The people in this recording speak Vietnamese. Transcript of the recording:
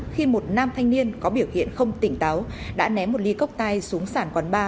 khi một nam thanh niên có biểu hiện không tỉnh táo đã ném một ly cốc tai xuống sàn quán bar